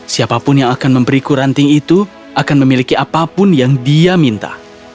siapapun yang akan memberiku ranting itu akan memiliki apapun yang dia minta